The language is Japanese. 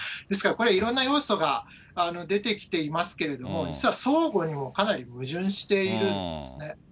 ですからこれ、いろんな要素が出てきていますけれども、実は相互にもかなり矛盾しているんですね。